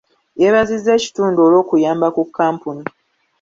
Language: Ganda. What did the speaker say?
Yeebazizza ekitundu olw'okuyamba ku kkampuni.